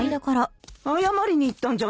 謝りに行ったんじゃなかったのかい？